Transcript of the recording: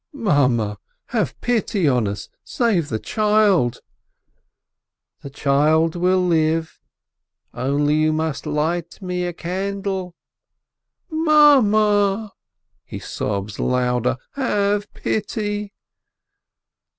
"Mame, have pity on us, save the child !" "The child will live, only you must light me a candle." "Mame" (he sobs louder), "have pity!"